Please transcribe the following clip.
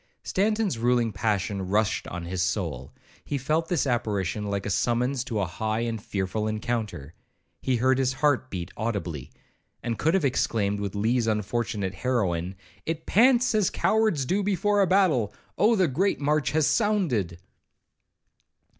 Stanton's ruling passion rushed on his soul; he felt this apparition like a summons to a high and fearful encounter. He heard his heart beat audibly, and could have exclaimed with Lee's unfortunate heroine,—'It pants as cowards do before a battle; Oh the great march has sounded!'